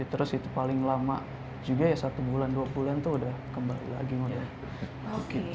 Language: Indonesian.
terus itu paling lama juga ya satu bulan dua bulan tuh udah kembali lagi mulai